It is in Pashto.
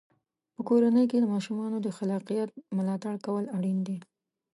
په کورنۍ کې د ماشومانو د خلاقیت ملاتړ کول اړین دی.